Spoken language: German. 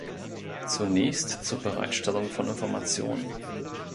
Zunächst zur Bereitstellung von Informationen.